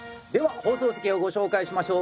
放送席をご紹介しましょう。